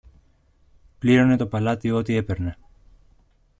πλήρωνε το παλάτι ό,τι έπαιρνε.